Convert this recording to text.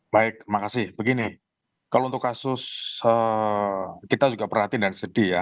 baik makasih begini kalau untuk kasus kita juga perhatiin dan sedih ya